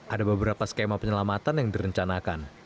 ada beberapa skema penyelamatan yang direncanakan